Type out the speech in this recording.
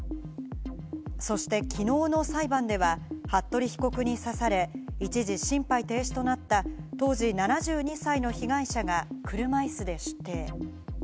そしてきのうの裁判では服部被告に刺され、一時心肺停止となった当時７２歳の被害者が車いすで出廷。